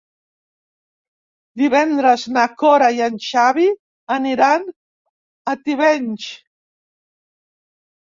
Divendres na Cora i en Xavi aniran a Tivenys.